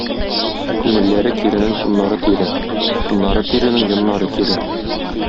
Күңелләре киренең туннары тире, туннары тиренең йоннары кире.